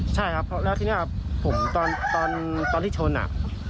ใช่ครับแล้วที่เนี่ยผมตอนที่ชนอ่ะ